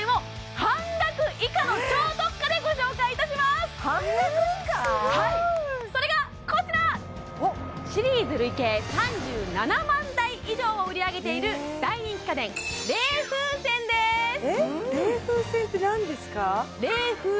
すごい！それがこちらシリーズ累計３７万台以上を売り上げている大人気家電冷風扇って何ですか？